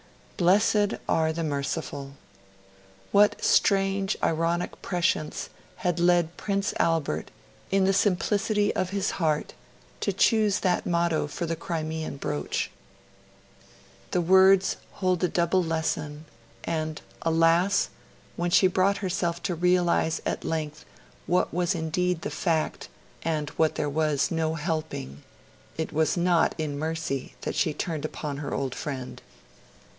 'Blessed are the merciful!' What strange ironic prescience had led Prince Albert, in the simplicity of his heart, to choose that motto for the Crimean brooch? The words hold a double lesson; and, alas! when she brought herself to realise at length what was indeed the fact and what there was no helping, it was not in mercy that she turned upon her old friend.